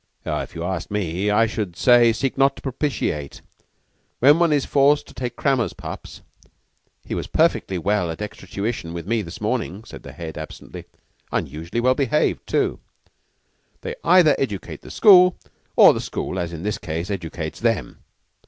"If you asked me I should say seek not to propitiate. When one is forced to take crammers' pups " "He was perfectly well at extra tuition with me this morning," said the Head, absently. "Unusually well behaved, too." " they either educate the school, or the school, as in this case, educates them.